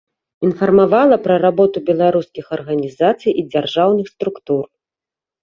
Інфармавала пра работу беларускіх арганізацый і дзяржаўных структур.